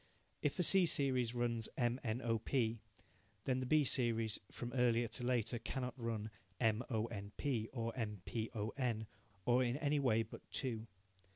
If the C series runs M, N, O, P, then the B series from earlier to later cannot run M, O, N, P, or M, P, O, N, or in any way but two.